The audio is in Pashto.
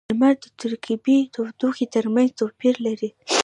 • لمر د ترکيبی تودوخې ترمینځ توپیر لري.